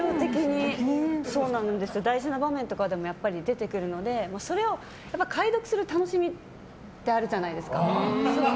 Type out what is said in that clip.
大事な場面とかでもやっぱり出てくるのでそれを解読する楽しみってあるじゃないですか。